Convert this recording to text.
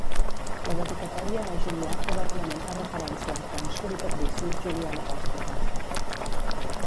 La dedicatòria a Julià probablement fa referència al cònsol i patrici Julià l'Apòstata.